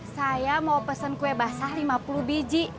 saya mau pesen kue basah lima puluh biji